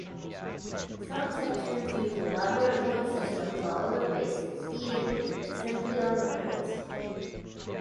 Some sections use elaborate point systems while others base seeding simply on records.